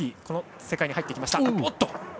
この世界に入ってきました。